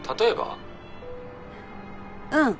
うん。